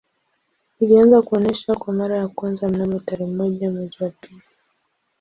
Ilianza kuonesha kwa mara ya kwanza mnamo tarehe moja mwezi wa pili